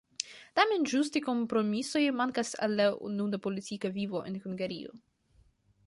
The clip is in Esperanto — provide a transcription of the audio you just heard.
Tamen ĝuste kompromisoj mankas al la nuna politika vivo en Hungario.